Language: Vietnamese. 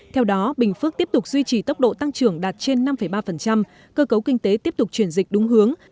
theo đó bình phước tiếp tục duy trì tốc độ tăng trưởng đạt trên năm ba cơ cấu kinh tế tiếp tục chuyển dịch đúng hướng